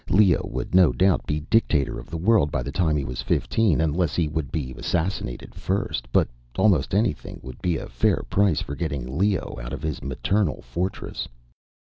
Leo would no doubt be dictator of the world by the time he was fifteen, unless he would be assassinated first, but almost anything would be a fair price for getting Leo out of his maternal fortress.